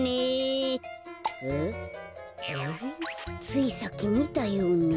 ついさっきみたような。